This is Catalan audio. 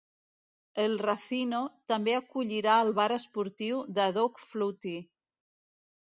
El "racino" també acollirà el bar esportiu de Doug Flutie.